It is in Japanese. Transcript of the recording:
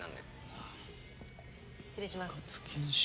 失礼します。